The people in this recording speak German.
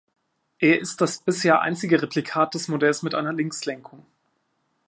Er ist das bisher einzige Replikat des Modells mit einer Linkslenkung.